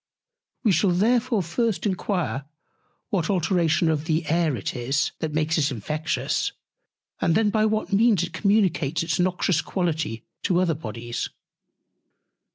We shall therefore first enquire what alteration of the Air it is, that makes it infectious; and then, by what Means it communicates its noxious Quality to other Bodies.